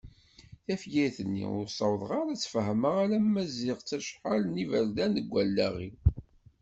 Tafyirt-nni ur ssawaḍeɣ ara ad tt-fehmeɣ alma zziɣ-tt acḥal n yiberdan deg wallaɣ-iw.